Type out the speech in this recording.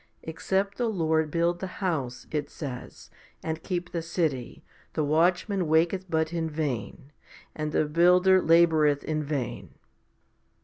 Except the Lord build the house, it says, and keep the city, the watchman waketh but in vain, and the builder laboureth in vain.